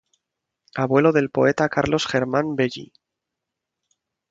Abuelo del poeta Carlos Germán Belli.